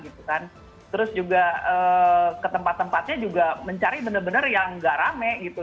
terus juga ke tempat tempatnya juga mencari bener bener yang gak rame gitu